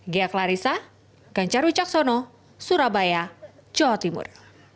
gia klarissa gencar wicaksono surabaya jawa timur